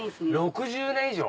６０年以上？